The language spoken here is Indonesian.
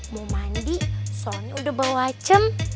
mau mandi soalnya udah bawa cem